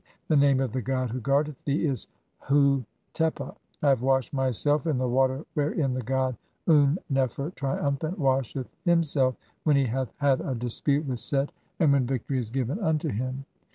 The name of the god who guardeth thee is Hu "tepa. (15) I have washed myself in the water wherein the god "Un nefer, triumphant, washeth himself, when he hath had a "dispute with Set, and when victory is given unto him.